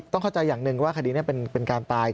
เข้าใจอย่างหนึ่งว่าคดีนี้เป็นการตาย